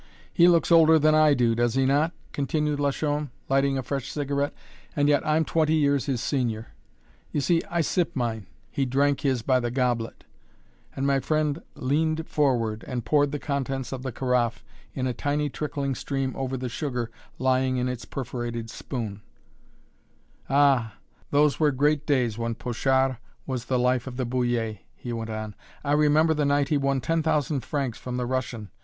He looks older than I do, does he not?" continued Lachaume, lighting a fresh cigarette, "and yet I'm twenty years his senior. You see, I sip mine he drank his by the goblet," and my friend leaned forward and poured the contents of the carafe in a tiny trickling stream over the sugar lying in its perforated spoon. [Illustration: BOY MODEL] "Ah! those were great days when Pochard was the life of the Bullier," he went on; "I remember the night he won ten thousand francs from the Russian.